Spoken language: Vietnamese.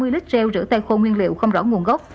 ba mươi lít gel rửa tay khô nguyên liệu không rõ nguồn gốc